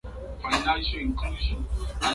hapo ndio ilibidi nichukue hatua ya kutoroka nyumbani